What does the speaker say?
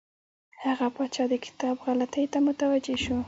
هغه پاچا د کتاب غلطیو ته متوجه شو.